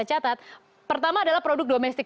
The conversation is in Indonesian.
catat pertama adalah produk domestik